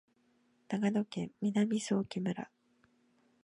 長野県南相木村